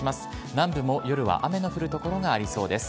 南部も夜は雨の降る所がありそうです。